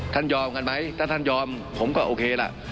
ยอมกันไหมถ้าท่านยอมผมก็โอเคล่ะ